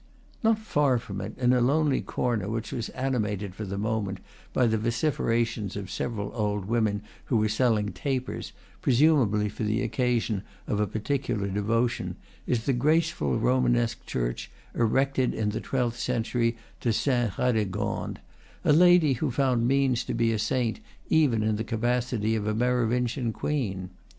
Not far from it, in a lonely corner which was ani mated for the moment by the vociferations of several old, women who were selling tapers, presumably for the occasion of a particular devotion, is the graceful romanesque church erected in the twelfth century to Saint Radegonde, a lady who found means to be a saint even in the capacity of a Merovingian queen.